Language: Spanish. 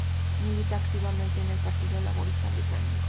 Milita activamente en el partido laborista británico.